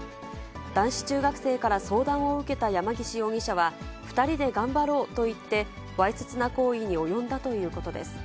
男子中学生から相談を受けた山岸容疑者は、２人で頑張ろうと言って、わいせつな行為に及んだということです。